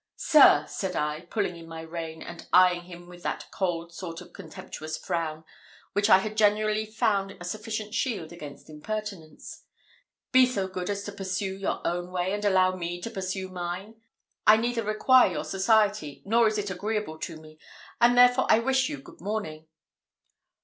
"Sir!" said I, pulling in my rein, and eying him with that cold sort of contemptuous frown which I had generally found a sufficient shield against impertinence, "be so good as to pursue your own way, and allow me to pursue mine; I neither require your society, nor is it agreeable to me; and therefore I wish you good morning."